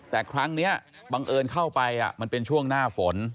แต่ครั้งนี้บังเอิญเข้าไปมันเป็นช่วงหน้าฝน